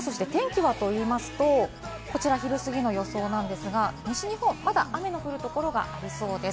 そして天気はと言いますとこちら昼過ぎの予想なんです、西日本はまだ雨の降る所がありそうです。